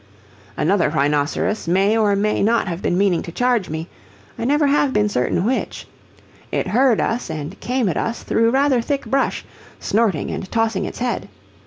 Another rhinoceros may or may not have been meaning to charge me; I have never been certain which. It heard us and came at us through rather thick brush, snorting and tossing its head.